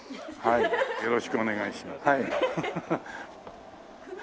よろしくお願いします。